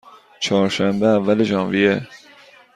چهارشنبه، اول ژانویه